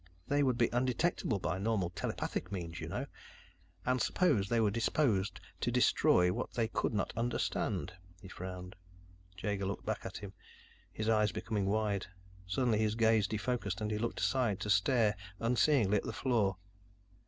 They would be undetectable by normal telepathic means, you know. And suppose they were disposed to destroy what they could not understand." He frowned. Jaeger looked back at him, his eyes becoming wide. Suddenly, his gaze defocused and he looked aside, to stare unseeingly at the floor.